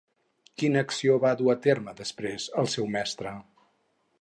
Quina acció va dur a terme després el seu mestre?